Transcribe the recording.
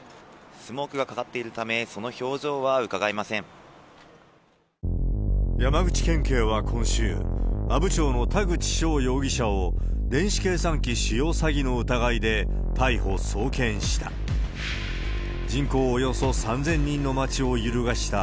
スモークがかかっているため、山口県警は今週、阿武町の田口翔容疑者を、電子計算機使用詐欺の疑いで逮捕、送検した。